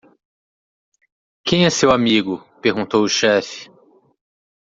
"Quem é seu amigo?" perguntou o chefe.